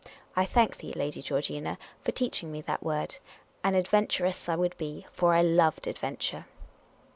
I thank thee, Lady Georgina, for teaching me that word. An adventuress I would be ; for I loved adventure.